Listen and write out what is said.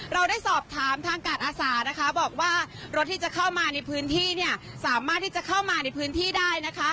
เราได้สอบถามทางการอาสานะคะบอกว่ารถที่จะเข้ามาในพื้นที่เนี่ยสามารถที่จะเข้ามาในพื้นที่ได้นะคะ